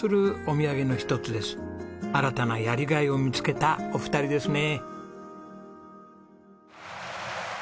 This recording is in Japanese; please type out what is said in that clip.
新たなやりがいを見つけたお二人ですね。